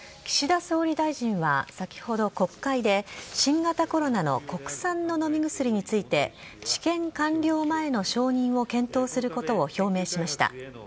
岸田総理大臣は先ほど、国会で、新型コロナの国産の飲み薬について、治験完了前の承認を検討することを表明しました。